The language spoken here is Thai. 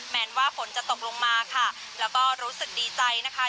นว่าฝนจะตกลงมาค่ะแล้วก็รู้สึกดีใจนะคะ